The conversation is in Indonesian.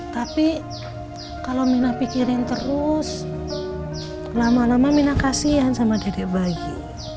tapi kalau mina pikirin terus lama lama mina kasihan sama dedek bayi